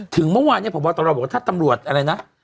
เมื่อวานเนี่ยพบตรบอกว่าถ้าตำรวจอะไรนะ